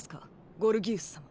ゴルギウス様。